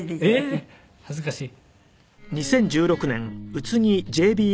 ええー恥ずかしい。